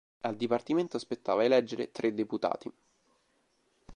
Al dipartimento spettava eleggere tre deputati.